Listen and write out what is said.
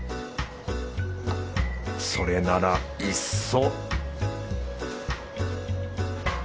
それならいっそ